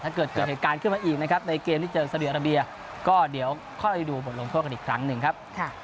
เกิดเหตุการณ์ขึ้นมาอีกนะครับในเกมที่เจอซาดีอาราเบียก็เดี๋ยวค่อยไปดูบทลงโทษกันอีกครั้งหนึ่งครับ